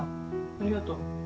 ありがとう。